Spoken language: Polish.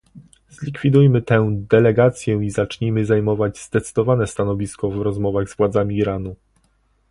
Zlikwidujmy tę delegację i zacznijmy zajmować zdecydowane stanowisko w rozmowach z władzami Iranu